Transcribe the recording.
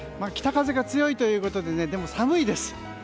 北風が強いということででも寒いです。